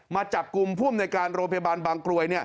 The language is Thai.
มาจับกลุ่มผู้อำนวยการโรงพยาบาลบางกรวย